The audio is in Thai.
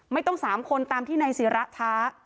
ไม่ต้อง๓คนตามที่นายศิระท้า